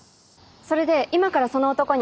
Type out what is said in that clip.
それで今からその男に。